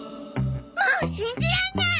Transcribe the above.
もう信じらんない！